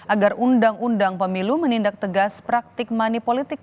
agar undang undang pemilu menindak tegas praktik money politik